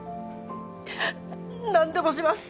何でもします